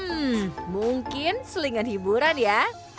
hmm mungkin selingan hiburan ya